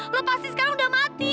kamu pasti sekarang sudah mati